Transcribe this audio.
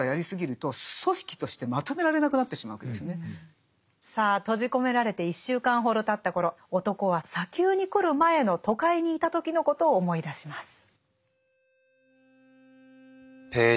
そういうことをあんまりさあとじこめられて１週間ほどたった頃男は砂丘に来る前の都会にいた時のことを思い出します。